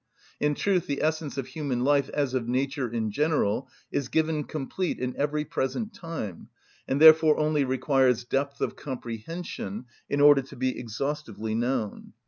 In truth, the essence of human life, as of nature in general, is given complete in every present time, and therefore only requires depth of comprehension in order to be exhaustively known.